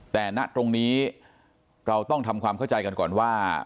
แต่ณตรงนี้เราต้องทำความเข้าใจกันก่อนว่า